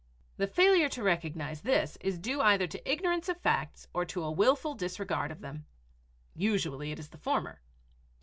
The failure to recognize this is due either to ignorance of facts or to a willful disregard of them; usually it is the former.